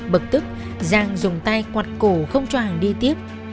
bực tức giang dùng tay quạt cổ không cho hằng đi tiếp